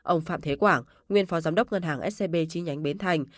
ông phạm thế quảng nguyên phó giám đốc ngân hàng scb chi nhánh bến thành